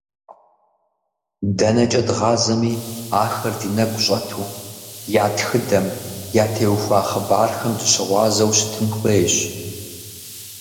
Дэнэкӏэ дгъазэми ахэр ди нэгу щӏэту, я тхыдэм, ятеухуа хъыбархэм дыщыгъуазэу щытын хуейщ.